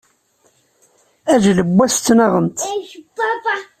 Aǧilewwas ttnaɣent.